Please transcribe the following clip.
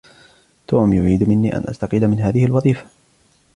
توم يريد مني أن أستقيل من هذه الوظيفة.